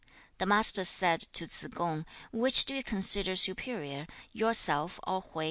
1. The Master said to Tsze kung, 'Which do you consider superior, yourself or Hui?'